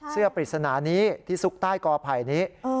เสื้อปริศนานี้ที่สุกใต้กอภัยนี้